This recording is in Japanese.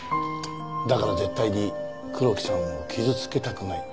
だから絶対に黒木さんを傷つけたくない。